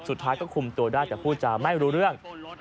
สุดท้ายก็คุมตัวได้แต่พูดจะไม่รู้เรื่อง